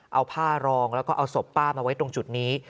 เอาผ้ารองแล้วก็เอาศพป้ามาไว้ตรงจุดนี้